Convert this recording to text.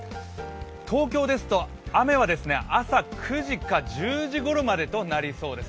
東京ですと雨は朝９時から１０時ごろまでとなりそうです。